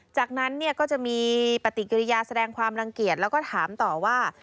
จากนั้นเนี่ยก็จะมีปฏิกิริยาแสดงความรังเกียจแล้วก็ถามต่อว่า